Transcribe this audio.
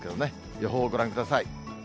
予報ご覧ください。